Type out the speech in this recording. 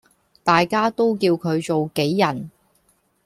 大家都叫佢做杞人